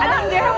ada apa ini